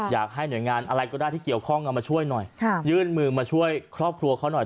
อยากให้หน่วยงานอะไรก็ได้ที่เกี่ยวข้องเอามาช่วยหน่อยยื่นมือมาช่วยครอบครัวเขาหน่อย